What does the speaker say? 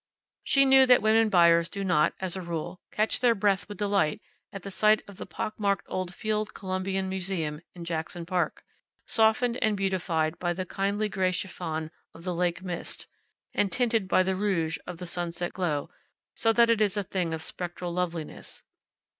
She knew that women buyers do not, as a rule, catch their breath with delight at sight of the pock marked old Field Columbian museum in Jackson Park, softened and beautified by the kindly gray chiffon of the lake mist, and tinted by the rouge of the sunset glow, so that it is a thing of spectral loveliness.